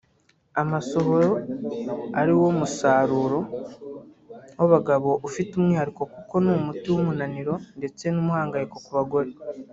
Amasohoro ariwo musaruro w’abagabo ufite umwihariko kuko ni umuti w’umunaniro ndetse n’umuhangayiko ku bagore